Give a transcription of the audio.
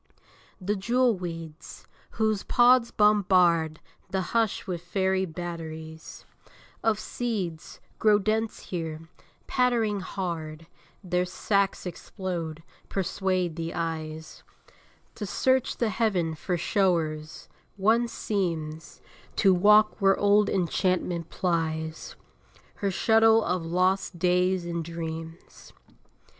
The jewel weeds, whose pods bombard The hush with fairy batteries Of seeds, grow dense here; pattering hard Their sacs explode, persuade the eyes To search the heaven for show'rs: One seems To walk where old Enchantment plies Her shuttle of lost days and dreams.